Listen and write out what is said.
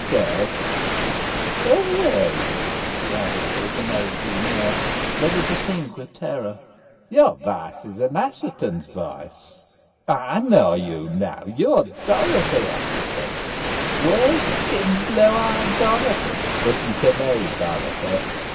she added, as the maid drew near, ready to sink with terror. "Your voice is an Assheton's voice. I know you now. You are Dorothy Assheton whey skinned, blue eyed Dorothy. Listen to me, Dorothy.